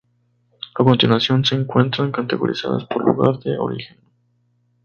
A continuación se encuentran categorizados por lugar de origen.